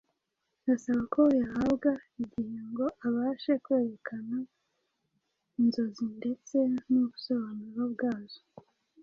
asaba ko yahabwa igihe ngo abashe kwerekana inzozi ndetse n’ubusobanuro bwazo.